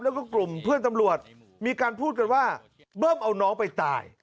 แล้วก็กลุ่มเพื่อนตำรวจมีการพูดกันว่าเบิ้มเอาน้องไปตาย